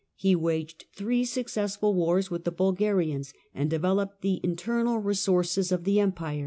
He waged three successful wars with the Bulgarians and developed the internal resources of the Empire.